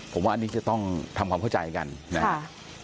ผมว่าอันนี้จะต้องทำความเข้าใจกันนะครับ